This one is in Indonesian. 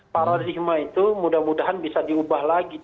paradigma itu mudah mudahan bisa diubah lagi